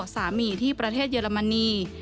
สามีที่ประเทศเยอรมนี